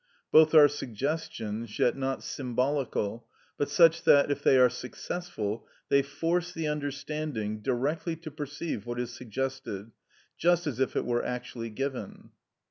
Both are suggestions, yet not symbolical, but such that, if they are successful, they force the understanding directly to perceive what is suggested, just as if it were actually given.